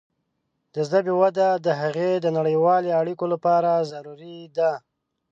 د ژبې وده د هغې د نړیوالې اړیکې لپاره ضروري ده.